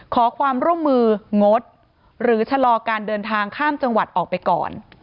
ขอความร่วมมืองดหรือชะลอการเดินทางข้ามจังหวัดออกไปก่อน